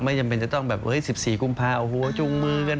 ไม่จำเป็นจะต้องแบบสิบสี่กุ่มพาจูงมื้อกันไปเดิน